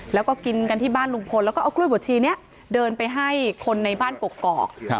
แล้วก็กินกันที่บ้านลุงพลแล้วก็เอากล้วยบวชชีนี้เดินไปให้คนในบ้านกกอก